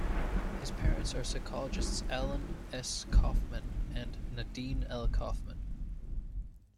His parents are psychologists Alan S. Kaufman and Nadeen L. Kaufman.